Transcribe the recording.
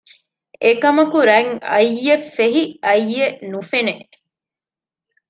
އެކަމަކު ރަތް އައްޔެއް ފެހި އައްޔެއް ނުފެނެ